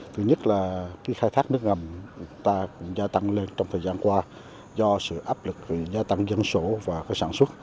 thứ nhất là khi khai thác nước ngầm ta cũng gia tăng lên trong thời gian qua do sự áp lực gia tăng dân số và sản xuất